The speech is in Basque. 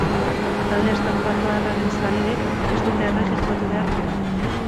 Talde estatubatuarraren zaleek ez dute erregistratu beharrik ere.